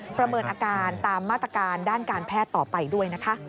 เมินอาการตามมาตรการด้านการแพทย์ต่อไปด้วยนะคะ